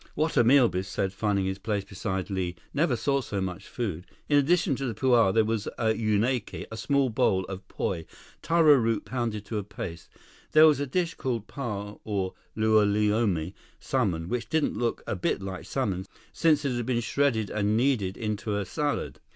"What a meal!" Biff said, finding his place beside Li. "Never saw so much food." In addition to the puaa, there was a umeke, a small bowl, of poi—taro root pounded to a paste. There was a dish, called pa, of lomilomi—salmon, which didn't look a bit like salmon, since it had been shredded and kneaded into a salad.